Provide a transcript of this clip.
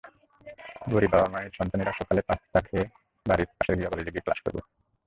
গরিব বাবা–মায়ের সন্তানেরা সকালে পান্তা খেয়ে বাড়ির পাশের কলেজে গিয়ে ক্লাস করবে।